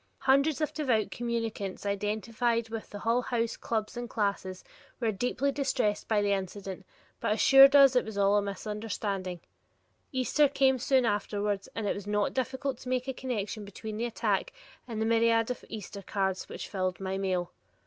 Hundreds of devout communicants identified with the various Hull House clubs and classes were deeply distressed by the incident, but assured us it was all a misunderstanding. Easter came soon afterwards, and it was not difficult to make a connection between the attack and the myriad of Easter cards which filled my mail.